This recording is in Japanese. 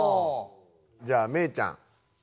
じゃあメイちゃん。